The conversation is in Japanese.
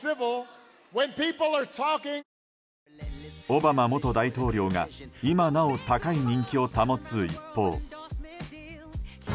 オバマ元大統領が今なお高い人気を保つ一方